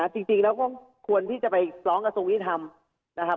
จริงแล้วก็ควรที่จะไปล้องกับตรงนี้ทำนะครับ